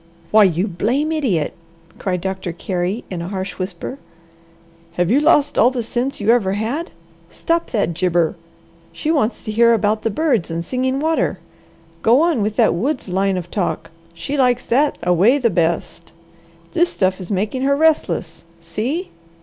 "Why you blame idiot!" cried Doctor Carey in a harsh whisper. "Have you lost all the sense you ever had? Stop that gibber! She wants to hear about the birds and Singing Water. Go on with that woods line of talk; she likes that away the best. This stuff is making her restless. See!"